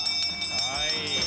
はい。